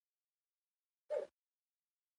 د جګړې د ژبې داغونه مې لیدلي دي.